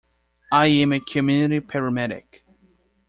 I am a community paramedic.